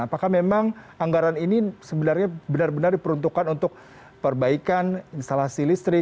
apakah memang anggaran ini sebenarnya benar benar diperuntukkan untuk perbaikan instalasi listrik